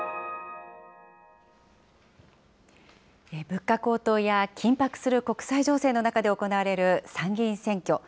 物価高騰や緊迫する国際情勢の中で行われる参議院選挙。